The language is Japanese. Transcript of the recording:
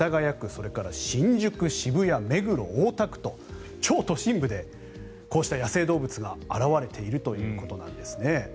それから新宿、渋谷目黒、大田区と超都心部でこうした野生動物が現れているということですね。